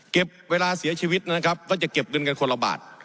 เวลาเสียชีวิตนะครับก็จะเก็บเงินกันคนละบาท